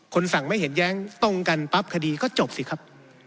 สั่งไม่เห็นแย้งตรงกันปั๊บคดีก็จบสิครับ